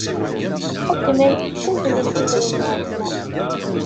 Xeddmen, ttaznen-d idrimen ɣer tmurt.